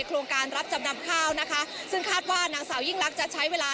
โครงการรับจำนำข้าวนะคะซึ่งคาดว่านางสาวยิ่งลักษณ์จะใช้เวลา